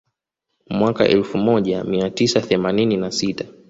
Mwaka elfu moja mia tisa themanini na sita